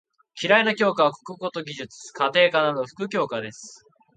嫌いな教科は国語と技術・家庭科など副教科です。